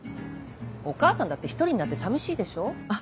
お母さんだって一人になって寂しいでしょ？